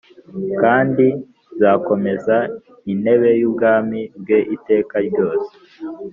kandi nzakomeza intebe y’ubwami bwe iteka ryose.